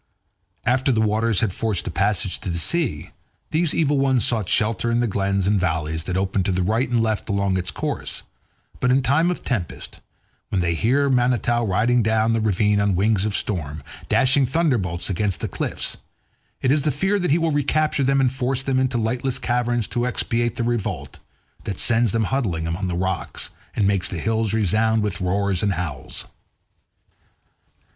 After the waters had forced a passage to the sea these evil ones sought shelter in the glens and valleys that open to right and left along its course, but in time of tempest, when they hear Manitou riding down the ravine on wings of storm, dashing thunderbolts against the cliffs, it is the fear that he will recapture them and force them into lightless caverns to expiate their revolt, that sends them huddling among the rocks and makes the hills resound with roars and howls.